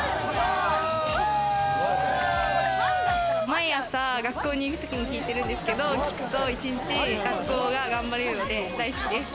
毎朝学校に行く時に聴いてるんですけど、聴くと一日、学校が頑張れるので大好きです。